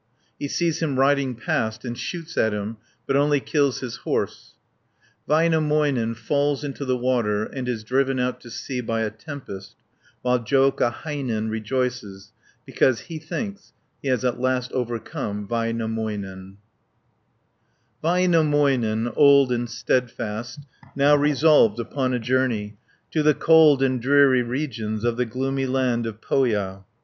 He sees him riding past and shoots at him, but only kills his horse (79 182). Väinämöinen falls into the water and is driven out to sea by a tempest, while Joukahainen rejoices, because he thinks he has at last overcome Väinämöinen (183 234). Väinämöinen, old and steadfast, Now resolved upon a journey To the cold and dreary regions Of the gloomy land of Pohja.